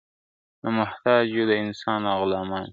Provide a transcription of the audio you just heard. نه محتاج یو د انسان نه غلامان یو !.